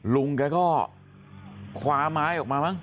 ลุงแกก็คว้าไม้ออกมามั้